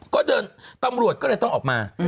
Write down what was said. ก็เดินตำรวจก็เลยต้องออกมา